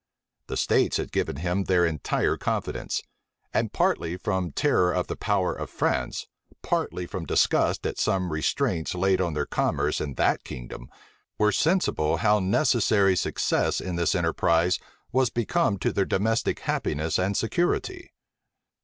The states had given him their entire confidence; and partly from terror of the power of France, partly from disgust at some restraints laid on their commerce in that kingdom, were sensible how necessary success in this enterprise was become to their domestic happiness and security.